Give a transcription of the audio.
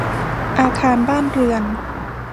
อาคารบ้านเรือน